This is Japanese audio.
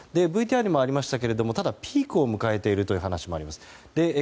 ＶＴＲにもありましたけどもピークを迎えているという話もあります。